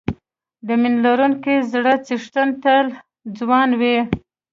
د مینه لرونکي زړه څښتن تل ځوان وي.